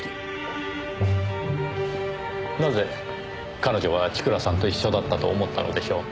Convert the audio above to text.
なぜ彼女は千倉さんと一緒だったと思ったのでしょう？